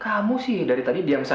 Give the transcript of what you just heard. kamu sih dari tadi diam